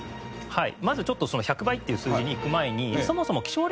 はい。